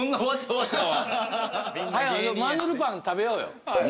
マヌルパン食べようよ。